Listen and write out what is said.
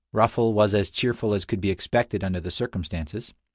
M. Raffl was as cheerful as could be expected under the circumstances.